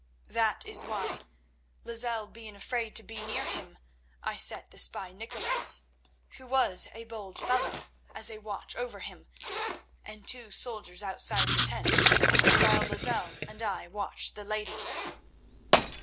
That is why, Lozelle being afraid to be near him, I set the spy Nicholas, who was a bold fellow, as a watch over him, and two soldiers outside the tent, while Lozelle and I watched the lady."